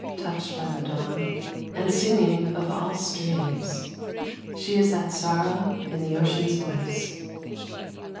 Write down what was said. Touched by the dawn, and singing of all streams. She is that sorrow in the ocean's voice.